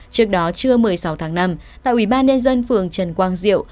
trước đó trưa một mươi sáu tháng năm tại ủy ban nhân dân phường trần quang diệu